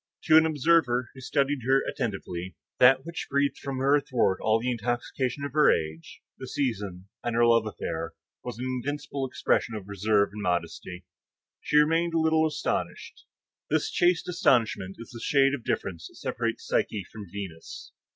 To an observer who studied her attentively, that which breathed from her athwart all the intoxication of her age, the season, and her love affair, was an invincible expression of reserve and modesty. She remained a little astonished. This chaste astonishment is the shade of difference which separates Psyche from Venus.